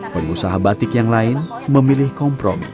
pengusaha batik yang lain memilih komprom